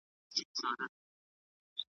خلک د جګړې لپاره تیار شول.